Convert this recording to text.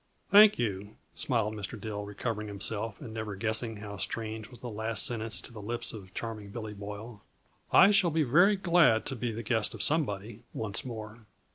"Thank you," smiled Mr. Dill, recovering himself and never guessing how strange was the last sentence to the lips of Charming Billy Boyle. "I shall be very glad to be the guest of somebody once more."